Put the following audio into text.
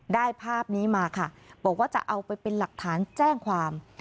ภาพนี้มาค่ะบอกว่าจะเอาไปเป็นหลักฐานแจ้งความ